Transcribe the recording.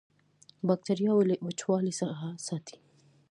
باکتریاوې له وچوالي څخه ساتي.